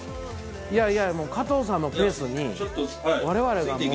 いやいやもう加藤さんのペースに我々がもう。